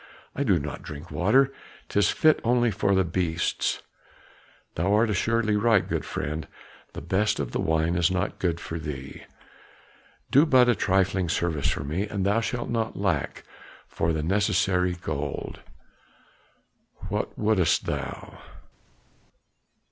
"I do not drink water; 'tis fit only for the beasts." "Thou art assuredly right, good friend; the best of the wine is not too good for thee. Do but a trifling service for me, and thou shalt not lack for the necessary gold." "What wouldst thou?"